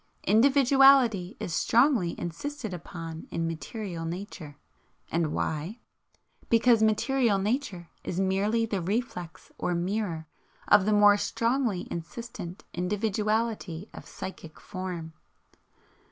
Individuality is strongly insisted upon in material Nature. And why? Because material Nature is merely the reflex or mirror of the more strongly insistent individuality of psychic form.